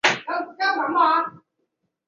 留校担任理学部物理学科助手。